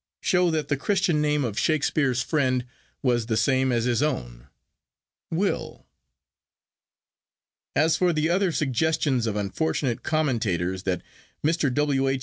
show that the Christian name of Shakespeare's friend was the same as his own—Will. 'As for the other suggestions of unfortunate commentators, that Mr. W. H.